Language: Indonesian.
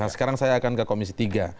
nah sekarang saya akan ke komisi tiga